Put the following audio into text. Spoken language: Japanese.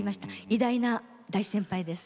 偉大な大先輩です。